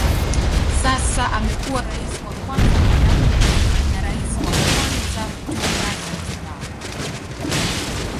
Sasa amekuwa rais wa kwanza mwanamke na rais wa kwanza kutoka Zanzibar.